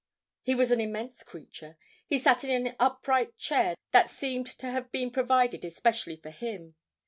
He was an immense creature. He sat in an upright chair that seemed to have been provided especially for him.